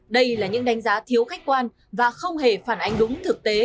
đây là những đánh giá thiếu khách quan và không hề phản ánh đúng thực tế